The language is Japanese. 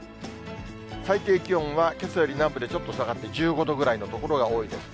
最低気温はけさより南部でちょっと下がって１５度ぐらいの所が多いです。